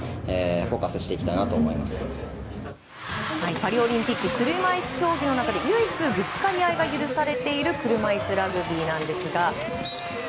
パリオリンピック車いす競技の中で唯一ぶつかり合いが許されている車いすラグビーなんですが。